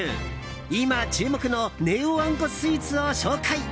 今注目のネオあんこスイーツを紹介。